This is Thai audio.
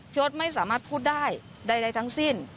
พี่โอ๊ตไม่สามารถพูดได้ใดทั้งสิ้น